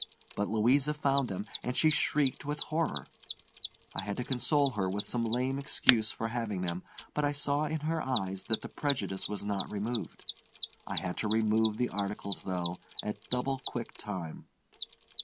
But Louisa found them, and she shrieked with horror. I had to console her with some lame excuse for having them, but I saw in her eyes that the prejudice was not removed. I had to remove the articles, though, at double quick time.